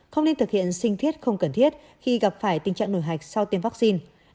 không nên thực hiện sinh thiết không cần thiết khi gặp phải tình trạng nổi hạch sau tiêm vaccine